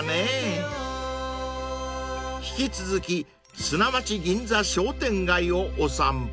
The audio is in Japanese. ［引き続き砂町銀座商店街をお散歩］